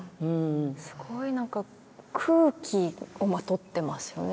すごい何か空気をまとってますよね。